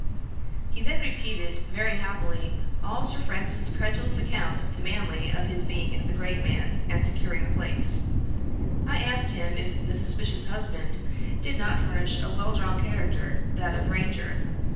He then repeated, very happily, all Sir Francis's credulous account to Manly of his being with 'the great man,' and securing a place. I asked him, if The Suspicious Husband did not furnish a well drawn character, that of Ranger.